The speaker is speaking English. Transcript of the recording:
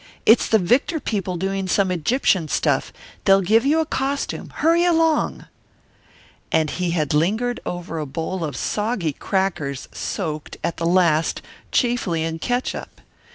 It's the Victor people doing some Egyptian stuff they'll give you a costume. Hurry along!" And he had lingered over a bowl of soggy crackers soaked, at the last, chiefly in catsup!